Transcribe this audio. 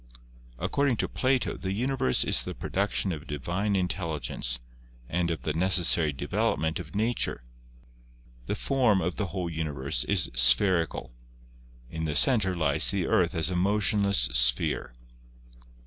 According to Plato, the universe is the production of divine intelligence and of the necessary development of nature. The form of 8 GEOLOGY the whole universe is spherical ; in the center lies the earth as a motionless sphere.